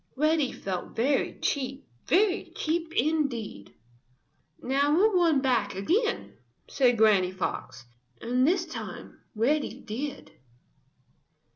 Reddy felt very cheap, very cheap indeed. "Now we'll run back again," said Granny Fox. And this time Reddy did.